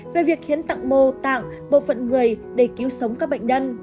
về việc hiến tạng mô tạng bộ phận người để cứu sống các bệnh nhân